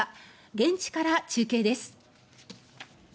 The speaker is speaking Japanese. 現地から中継です。